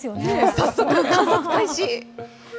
早速、観察開始。